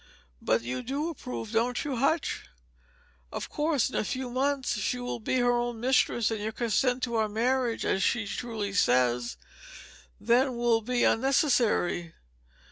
But you do approve, don't you, Hutch? Of course, in a few months she will be her own mistress, and your consent to our marriage, as she very truly says, then will be unnecessary.